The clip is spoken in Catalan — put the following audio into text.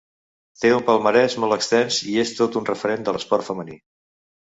Té un palmarès molt extens i és tot un referent de l’esport femení.